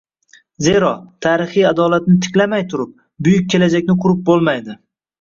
Zero, tarixiy adolatni tiklamay turib, buyuk kelajakni qurib bulmaydi